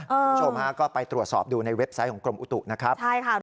คุณผู้ชมฮะก็ไปตรวจสอบดูในเว็บไซต์ของกรมอุตุนะครับใช่ค่ะ